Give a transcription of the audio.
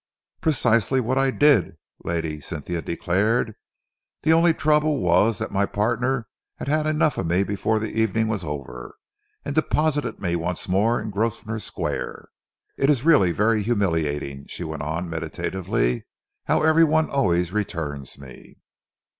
"Precisely what I did," Lady Cynthia declared. "The only trouble was that my partner had had enough of me before the evening was over, and deposited me once more in Grosvenor Square. It is really very humiliating," she went on meditatively, "how every one always returns me."